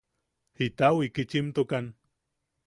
¿Jita wikichimtukan?